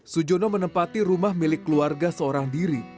sujono menempati rumah milik keluarga seorang diri